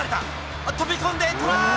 あっ、飛び込んで、トライ！